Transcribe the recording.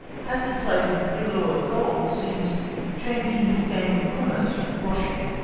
Hazard played with realeaux of gold seems changed into a game of commerce with groschen.